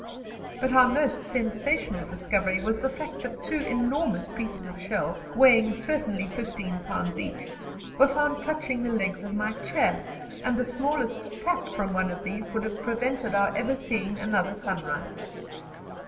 But our most sensational discovery was the fact that two enormous pieces of shell, weighing certainly 15 pounds each, were found touching the legs of my chair, and the smallest tap from one of these would have prevented our ever seeing another sunrise.